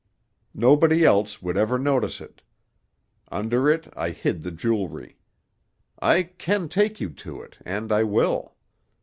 Nobody else would ever notice it. Under it I hid the jewelry. I can take you to it, and I will.